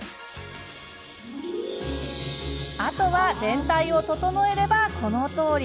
あとは、全体を整えればこのとおり。